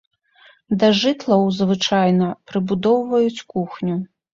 Да жытлаў звычайна прыбудоўваюць кухню.